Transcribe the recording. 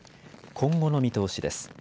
今後の見通しです。